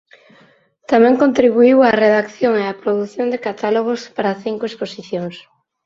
Tamén contribuíu á redacción e á produción de catálogos para cinco exposicións.